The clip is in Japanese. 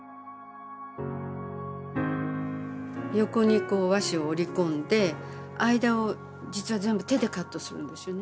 横にこう和紙を織り込んで間を実は全部手でカットするんですよね。